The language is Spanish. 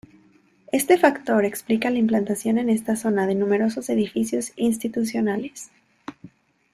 Este factor explica la implantación en esta zona de numerosos edificios institucionales.